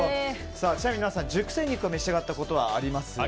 ちなみに皆さん熟成肉を召し上がったことは？